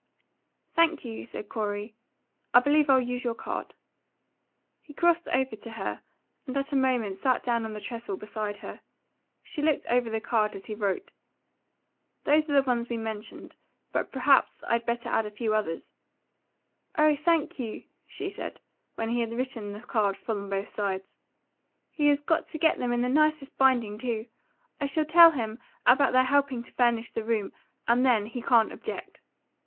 "Thank you," said Corey. "I believe I'll use your card." He crossed over to her, and after a moment sat down on the trestle beside her. She looked over the card as he wrote. "Those are the ones we mentioned, but perhaps I'd better add a few others." "Oh, thank you," she said, when he had written the card full on both sides. "He has got to get them in the nicest binding, too. I shall tell him about their helping to furnish the room, and then he can't object."